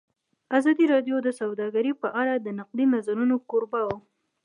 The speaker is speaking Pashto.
ازادي راډیو د سوداګري په اړه د نقدي نظرونو کوربه وه.